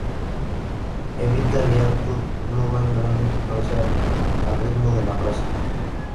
Evita el hiato, no da gran importancia al ritmo de la frase.